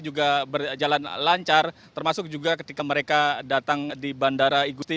juga berjalan lancar termasuk juga ketika mereka datang di bandara igusti